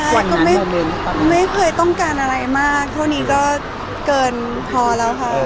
แต่ก็ไม่เคยต้องการอะไรมากเท่านี้ก็เกินพอแล้วค่ะ